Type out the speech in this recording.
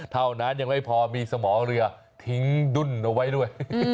เท่านั้นยังไม่พอมีสมอเรือทิ้งดุ้นเอาไว้ด้วย